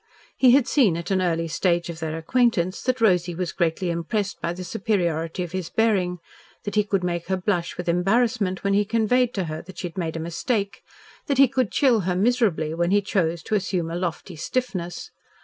He had seen at an early stage of their acquaintance that Rosy was greatly impressed by the superiority of his bearing, that he could make her blush with embarrassment when he conveyed to her that she had made a mistake, that he could chill her miserably when he chose to assume a lofty stiffness.